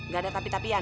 gak ada tapi tapian